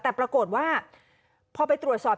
แต่ปรากฏว่าพอไปตรวจสอบ